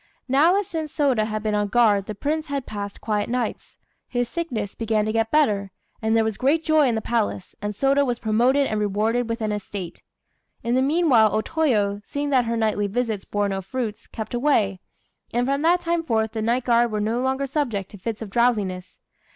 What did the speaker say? Now as since Sôda had been on guard the Prince had passed quiet nights, his sickness began to get better, and there was great joy in the palace, and Sôda was promoted and rewarded with an estate. In the meanwhile O Toyo, seeing that her nightly visits bore no fruits, kept away; and from that time forth the night guard were no longer subject to fits of drowsiness.